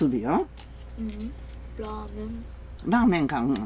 ラーメン買うん？